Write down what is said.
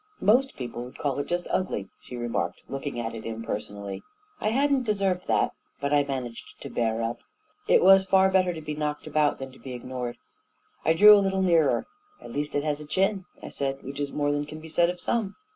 44 Most people would call it just ugly," she re marked, looking at it impersonally. I hadn't deserved that, but I managed to bear up. i 3 6 A KING IN BABYLON It was far better to be knocked about than to be ignored. I drew a little nearer. " At least it has a chin," I said ;" which is more than can be said of some."